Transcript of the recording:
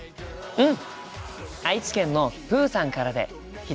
うん！